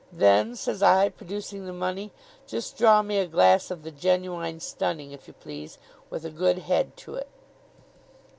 'Then,' says I, producing the money, 'just draw me a glass of the Genuine Stunning, if you please, with a good head to it.